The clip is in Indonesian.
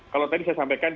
kalau tadi saya sampaikan